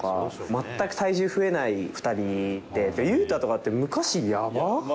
全く体重増えない２人で、雄太とかって、昔やばかったですよ。